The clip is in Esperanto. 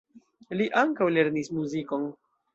Li ankaŭ lernis muzikon.